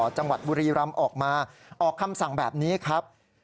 จังหวัดบุรีรำออกมาออกคำสั่งแบบนี้ครับ